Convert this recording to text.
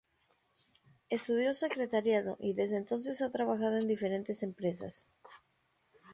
Estudió secretariado, y desde entonces ha trabajado en diferentes empresas.